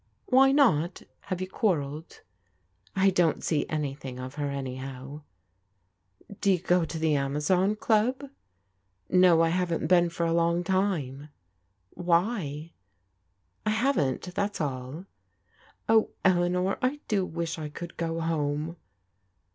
" Why not ? Have you quarrelled ?"" I don't see anything of her, anyhow/' •* Do you go to the Amazon Qub? "*' No, I haven't been for a long time." "Why?" " I haven't, that's all." " Oh, Eleanor, I do wish I could go home."